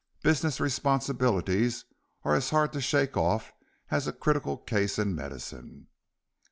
Business responsibilities are as hard to shake off as a critical case in medicine."